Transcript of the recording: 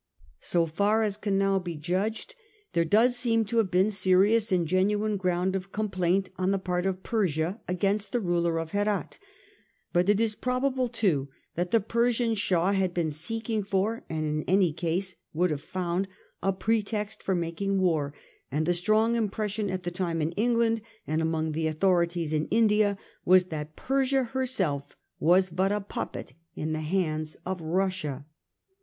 So far as can now be judged, there does seem to have been serious and genuine ground of complaint on the part of Persia against the ruler of Herat. But it is probable too that the Persian Shah had been seeking for, and in any case would have found, a pretext for making war ; and the strong impression at the time in England, and among the authorities in India, was that Persia herself was but a puppet in the hands of Russia.